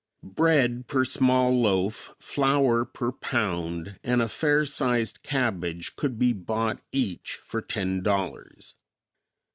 Bread per small loaf, flour per pound, and a fair sized cabbage could be bought each for ten dollars.